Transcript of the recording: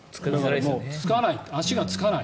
足がつかない。